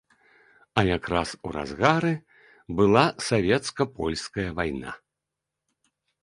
А якраз у разгары была савецка-польская вайна.